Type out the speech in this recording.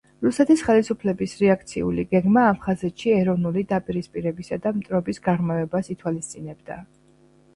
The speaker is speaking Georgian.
რუსეთის ხელისუფლების რეაქციული გეგმა აფხაზეთში ეროვნული დაპირისპირებისა და მტრობის გაღრმავებას ითვალისწინებდა.